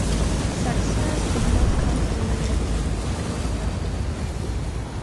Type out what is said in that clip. Success did not come immediately, however.